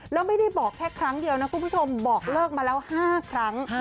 แล้วไม่ได้บอกแค่ครั้งเดียวนะคุณผู้ชมบอกเลิกมาแล้ว๕ครั้ง